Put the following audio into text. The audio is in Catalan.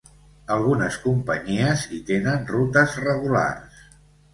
Algunes companyies hi tenen rutes regulars.